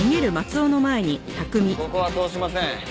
ここは通しません。